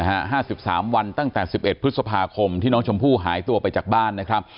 ห้าสิบสามวันตั้งแต่สิบเอ็ดพฤษภาคมที่น้องชมพู่หายตัวไปจากบ้านนะครับ